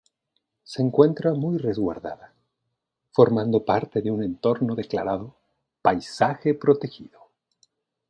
Se encuentra muy resguardada, formando parte de un entorno declarado "Paisaje Protegido".